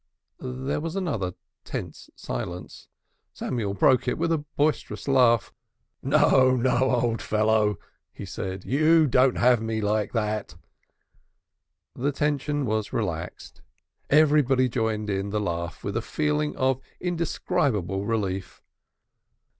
There was another tense silence. Samuel broke it with a boisterous laugh. "No, no, old fellow," he said; "you don't have me like that!" The tension was relaxed. Everybody joined in the laugh with a feeling of indescribable relief.